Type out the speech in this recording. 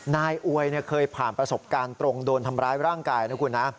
นายอวยเคยผ่านประสบการณ์ตรงโดนทำร้ายร่างกายนะคุณนะ